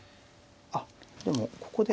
あっでもここで。